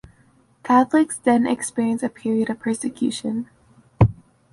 Catholics then experience a period of persecution.